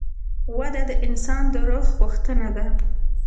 وده د انسان د روح غوښتنه ده.